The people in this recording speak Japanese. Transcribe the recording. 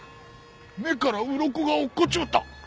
目からウロコが落っこっちまった！